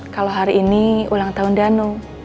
kalau hari ini ulang tahun danu